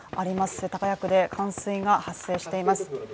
世田谷区で冠水が発生しています。